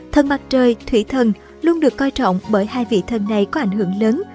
thân mặt trời thủy thần luôn được coi trọng bởi hai vị thần này có ảnh hưởng lớn